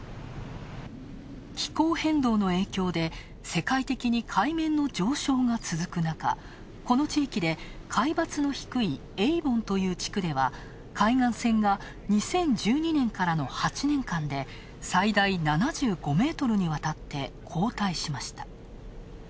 気候変動の影響で世界的に海面の上昇が続くなか、この地域で海抜の低いエイボンという地区では海岸線が２０１２年からの８年間で最大７５ｍにわたって後退しました。